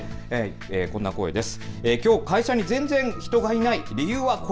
こんな声です。